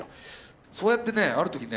そうやってねある時ね